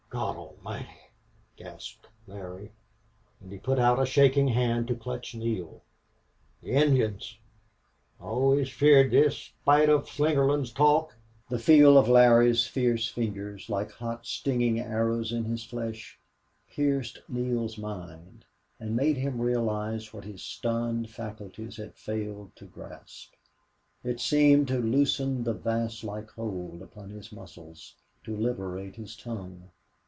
"Gawd Almighty!" gasped Larry, and he put out a shaking hand to clutch Neale. "The Injuns! I always feared this spite of Slingerland's talk." The feel of Larry's fierce fingers, like hot, stinging arrows in his flesh, pierced Neale's mind and made him realize what his stunned faculties had failed to grasp. It seemed to loosen the vise like hold upon his muscles, to liberate his tongue.